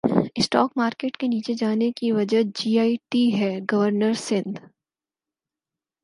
stock market کے نیچے جانے کی وجہ جے ائی ٹی ہے گورنر سندھ